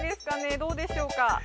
どうでしょうか？